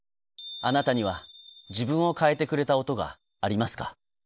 あなたには、自分を変えてくれた音がありますか？